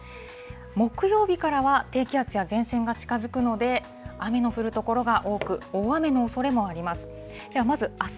木曜日からは低気圧や前線が近づくので、雨の降る所が多く、大雨のおそれもあります。